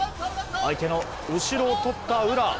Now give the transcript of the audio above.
相手の後ろを取った宇良。